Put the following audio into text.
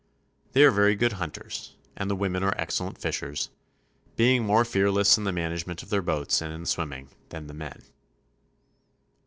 They are very good hunters, and the women are excel lent fishers, being more fearless in the management of their boats and in swimming than the men.